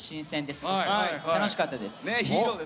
すごく楽しかったです。